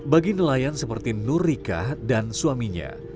bagi nelayan seperti nur rika dan suaminya